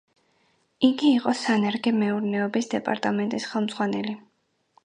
იგი იყო სანერგე მეურნეობის დეპარტამენტის ხელმძღვანელი.